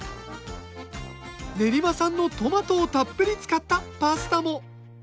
練馬産のトマトをたっぷり使ったパスタも！